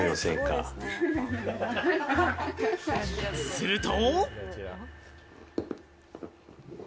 すると。